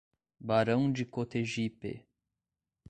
Barão de Cotegipe